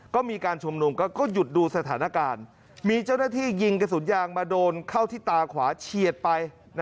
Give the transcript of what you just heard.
ก็มีการชุมนุมก็หยุดดูสถานการณ์มีเจ้าหน้าที่ยิงกระสุนยางมาโดนเข้าที่ตาขวาเฉียดไป